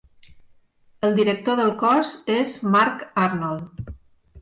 El director del cos és Mark Arnold.